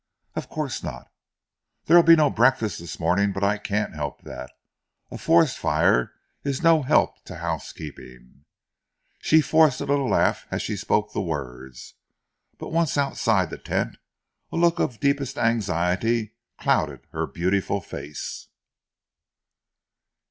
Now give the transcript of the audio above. "Of course not." "There'll be no breakfast this morning, but I can't help that. A forest fire is no help to housekeeping." She forced a little laugh as she spoke the words, but once outside the tent, a look of deepest anxiety clouded her beautiful face.